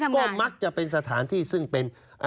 ก็มักจะเป็นสถานที่ซึ่งเป็น